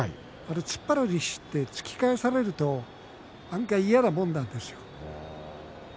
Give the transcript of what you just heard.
突っ張る力士って突き返されると嫌なもんなんですよ。